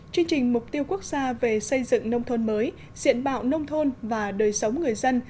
chương trình mục tiêu quốc gia về xây dựng nông thôn mới diện mạo nông thôn và đời sống người dân